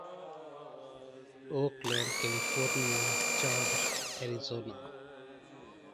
Oakland California Chandler Arizona